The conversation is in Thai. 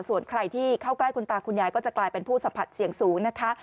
ส่วนใครที่เข้าใกล้คุณตาคุณยายก็จะกลายเป็นผู้สัมผัสเสี่ยงสูงนะคะ